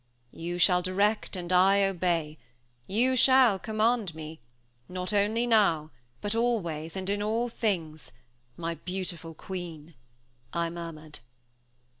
"You shall direct, and I obey; you shall command me, not only now, but always, and in all things, my beautiful queen!" I murmured.